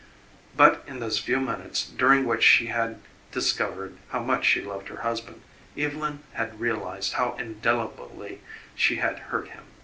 But in those few minutes during which she had discovered how much she loved her husband, Evylyn had realized how indelibly she had hurt him.